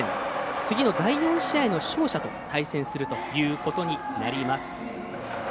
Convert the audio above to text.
次の第４試合の勝者と対戦するということになります。